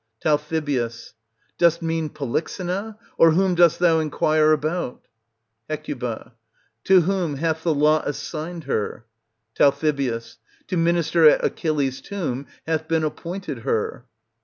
Tal. Dost mean Polyxena, or whom dost thou inquire about ? Hec To whom hath the lot assigned her? Tal. To minister at Achilles' tomb hath been appointed her.